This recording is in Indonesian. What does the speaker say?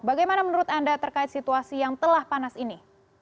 bagaimana menurut anda terkait situasi yang telah panas ini